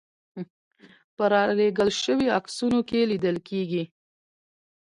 په رالېږل شویو عکسونو کې لیدل کېږي.